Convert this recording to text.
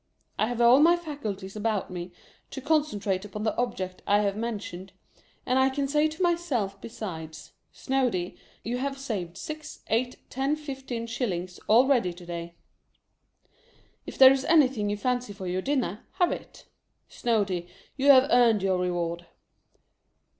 I have all my faculties about me, to concentrate upon the object I have mentioned, and can say to myself besides, " Snoady, you have saved six, eight, ten, fifteen, shillings, already to day. If there is anything you fancy for your dinner, have it. Snoady, you have earned your reward."